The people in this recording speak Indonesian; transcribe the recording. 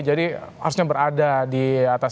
jadi harusnya berada di atas